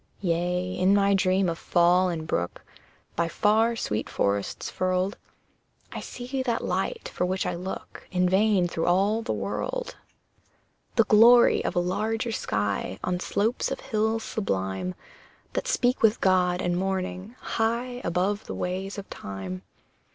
Yea, in my dream of fall and brook By far sweet forests furled, I see that light for which I look In vain through all the world The glory of a larger sky On slopes of hills sublime, That speak with God and morning, high Above the ways of Time!